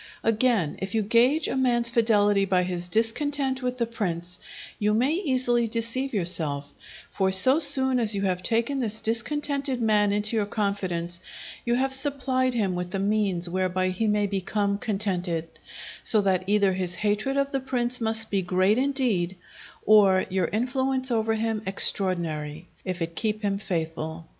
Again, if you gauge a man's fidelity by his discontent with the prince, you may easily deceive yourself; for so soon as you have taken this discontented man into your confidence, you have supplied him with the means whereby he may become contented; so that either his hatred of the prince must be great indeed, or your influence over him extraordinary, if it keep him faithful.